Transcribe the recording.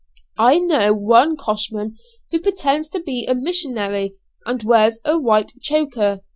I know one coshman who pretends to be a missionary, and wears a white choker.